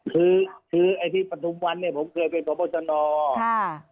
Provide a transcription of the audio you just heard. คือคือไอ้ที่ปฐุมวันเนี่ยผมเคยเป็นพบชนค่ะ